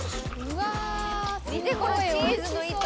「見てこのチーズの糸！」